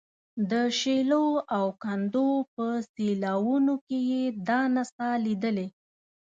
د شیلو او کندو په سیلاوونو کې یې دا نڅا لیدلې.